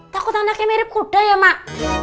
takut anaknya mirip kuda ya mak